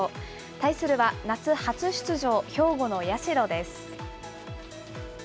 対するは夏初出場、兵庫の社です。